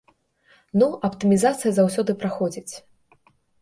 Ну, аптымізацыя заўсёды праходзіць.